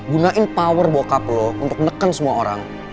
gunain power bokap lo untuk neken semua orang